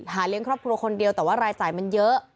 เลี้ยงครอบครัวคนเดียวแต่ว่ารายจ่ายมันเยอะ